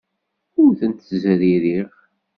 Ur tent-ttezririɣ.